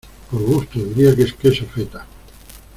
Por gusto, diría que es queso feta.